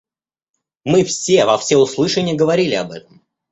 Мы все во всеуслышание говорили об этом.